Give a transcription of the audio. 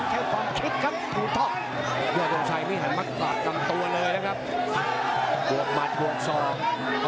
หวบมัดหวบซองเอาไหนเข้ามาช่วย